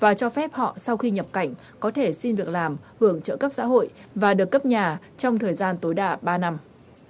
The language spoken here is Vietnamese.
và cho phép họ sau khi nhập cảnh có thể xin việc làm hưởng trợ cấp xã hội và được cấp nhà trong thời gian tối đa ba năm